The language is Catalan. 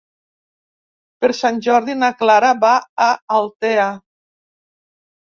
Per Sant Jordi na Clara va a Altea.